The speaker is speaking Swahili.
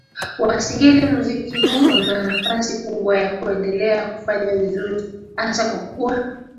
wa Singeli Muziki huu una nafasi kubwa ya kuendelea kufanya vizuri hasa kwa kuwa